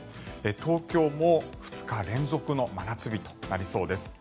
東京も２日連続の真夏日となりそうです。